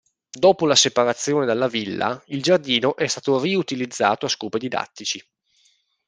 Dopo la separazione dalla villa, il giardino è stato riutilizzato a scopi didattici.